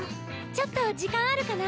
ちょっと時間あるかな。